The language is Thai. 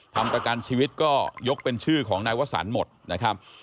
ทำประกันชีวิตก็ยกเป็นชื่อของนายวสันหมดนะครับ